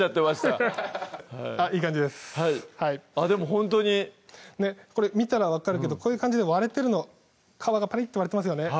ほんとにこれ見たら分かるけどこういう感じで割れてるの皮がパリッと割れてますよね